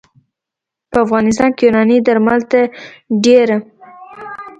په افغانستان کې یوناني درمل تر ډېره